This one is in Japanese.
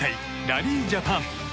ラリー・ジャパン。